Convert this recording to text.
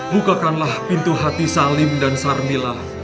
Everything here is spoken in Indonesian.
bukakanlah pintu hati salim dan sarbilah